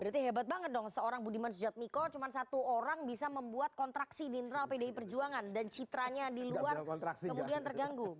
berarti hebat banget dong seorang budiman sujadmiko cuma satu orang bisa membuat kontraksi di internal pdi perjuangan dan citranya di luar kemudian terganggu